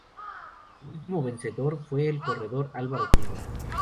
Su último vencedor fue el corredor Álvaro Pino.